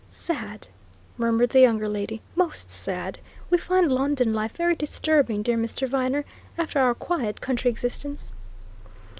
"Sad!" murmured the younger lady. "Most sad! We find London life very disturbing, dear Mr. Viner, after our quiet country existence."